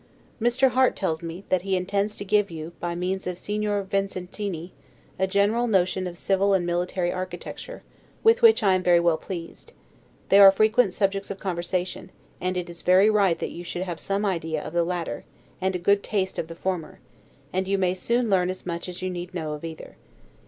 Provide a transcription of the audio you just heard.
Mr. Harte tells me, that he intends to give you, by means of Signor Vicentini, a general notion of civil and military architecture; with which I am very well pleased. They are frequent subjects of conversation; and it is very right that you should have some idea of the latter, and a good taste of the former; and you may very soon learn as much as you need know of either.